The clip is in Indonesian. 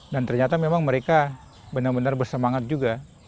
dan ternyata memang mereka benar benar bersemangat juga